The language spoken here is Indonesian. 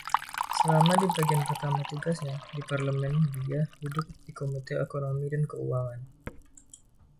Selama di bagian pertama tugasnya di parlemen dia duduk di Komite Ekonomi dan Keuangan.